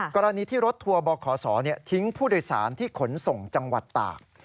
กรณีที่รถทัวร์บขศทิ้งผู้โดยสารที่ขนส่งจังหวัดตาก